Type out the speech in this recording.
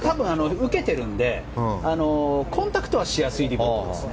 受けているんでコンタクトはしやすいディボットですね。